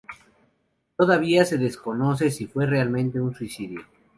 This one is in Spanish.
Todavía se desconoce si fue realmente un suicidio.